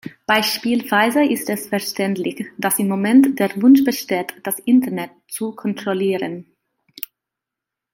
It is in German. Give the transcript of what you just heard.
Beispielsweise ist es verständlich, dass im Moment der Wunsch besteht, das Internet zu kontrollieren.